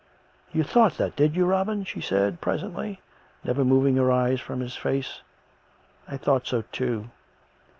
" You thought that, did you, Robin ?" she said presently, never moving her eyes from his face. " I thought so, too."